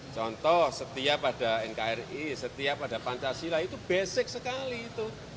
contoh setiap ada nkri setiap ada pancasila itu basic sekali itu